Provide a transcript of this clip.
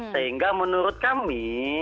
sehingga menurut kami